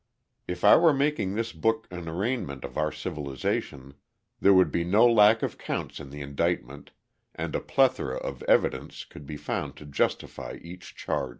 If I were making this book an arraignment of our civilization there would be no lack of counts in the indictment, and a plethora of evidence could be found to justify each charge.